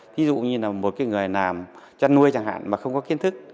ví dụ như là một cái người làm chăn nuôi chẳng hạn mà không có kiến thức